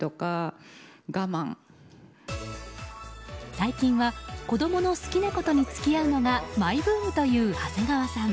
最近は子供の好きなことに付き合うのがマイブームという長谷川さん。